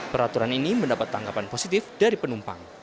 peraturan ini mendapat tanggapan positif dari penumpang